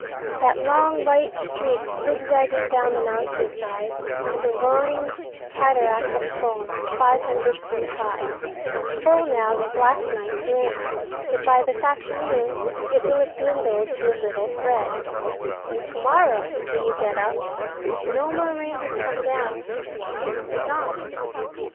That long white streak, zigzagging down the mountain side, is a roaring cataract of foam five hundred feet high, full now with last night's rain; but by this afternoon it will have dwindled to a little thread; and to morrow, when you get up, if no more rain has come down, it will be gone.